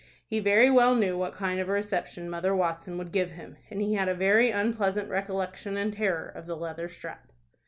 He very well knew what kind of a reception Mother Watson would give him, and he had a very unpleasant recollection and terror of the leather strap.